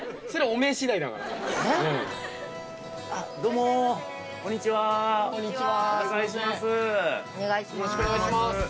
お願いします。